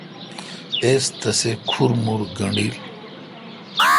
اس تسے کھر مُر گݨڈیل۔